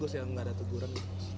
tidak ada tukuran